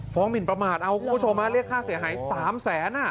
ฟ้องหมิ่นประมาทเอาคุณผู้ชมมาเรียกค่าเสียหาย๓๐๐๐๐๐บาท